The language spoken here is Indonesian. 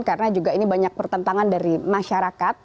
karena juga ini banyak pertentangan dari masyarakat